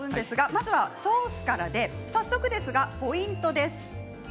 まずはソースから早速ですが、ポイントです。